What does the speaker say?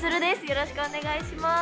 よろしくお願いします。